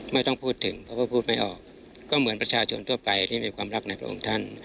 ไม่ต้องพูดถึงเพราะว่าพูดไม่ออกก็เหมือนประชาชนทั่วไปที่มีความรักในพระองค์ท่าน